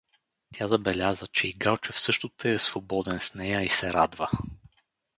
Тя забеляза, че и Галчев също тъй е свободен с нея и се радва.